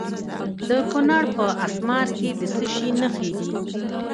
د کونړ په اسمار کې د څه شي نښې دي؟